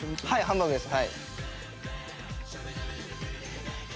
ハンバーグです。